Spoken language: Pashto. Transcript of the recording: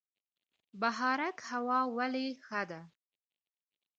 بهارک هوا ولې ښه ده؟